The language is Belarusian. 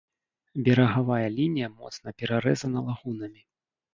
Берагавая лінія моцна перарэзана лагунамі.